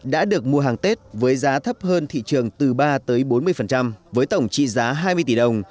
đã được mua hàng tết với giá thấp hơn thị trường từ ba bốn mươi với tổng trị giá hai mươi tỷ đồng